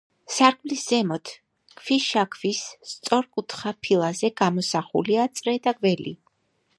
სარკმლის ზემოთ, ქვიშაქვის სწორკუთხა ფილაზე გამოსახულია წრე და გველი.